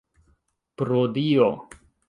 Pro Dio!